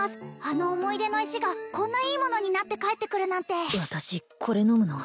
あの思い出の石がこんないい物になって帰ってくるなんて私これ飲むの？